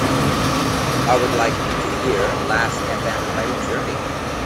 I would like to hear lastfm play journey.